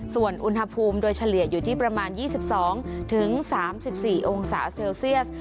ส่วนอุณหภูมิโดยเฉลี่ยอยู่ที่ประมาณ๒๒๓๔องศาเซลเซียส